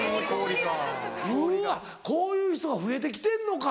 うわこういう人が増えて来てんのか。